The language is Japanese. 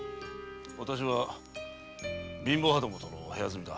私は貧乏旗本の部屋住みだ。